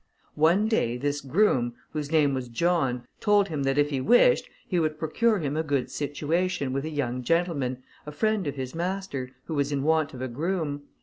One day this groom, whose name was John, told him that if he wished he would procure him a good situation, with a young gentleman, a friend of his master, who was in want of a groom.